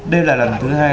đây là lần thứ hai